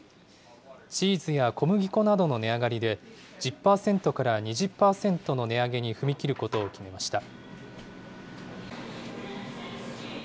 チーズや小麦粉などの値上がりで、１０％から２０％の値上げに踏み切ることを決めました。